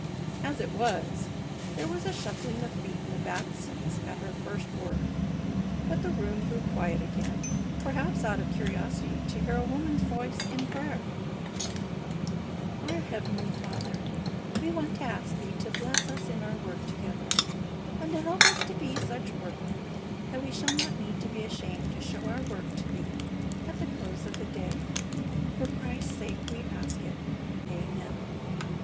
As it was, there was a shuffling of feet in the back seats at her first word; but the room, grew quiet again, perhaps out of curiosity to hear a woman's voice in prayer: "Our Heavenly Father, we want to ask Thee to bless us in our work together, and to help us to be such workmen that we shall not need to be ashamed to show our work to Thee at the close of the day. For Christ's sake we ask it. Amen."